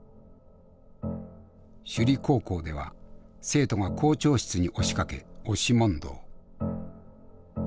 首里高校では生徒が校長室に押しかけ押し問答。